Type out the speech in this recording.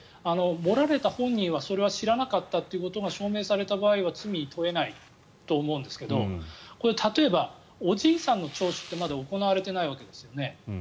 盛られた本人はそれは知らなかったということが証明された場合は罪に問えないと思うんですけどこれ、例えばおじいさんの聴取ってまだ行われていないわけですよね。